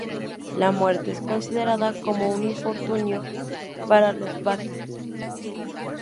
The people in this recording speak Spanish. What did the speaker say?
La muerte es considerada como una infortunio para los Baka.